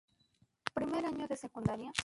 Primer año de secundaria.